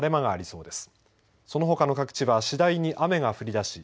そのほかの各地は次第に雨が降りだし